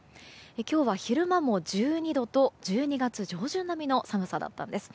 今日は昼間も１２度と１２月上旬並みの寒さだったんです。